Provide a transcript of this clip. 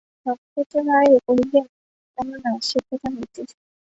নক্ষত্ররায় কহিলেন, না না, সে কথা হইতেছে না।